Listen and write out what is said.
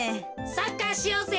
サッカーしようぜ。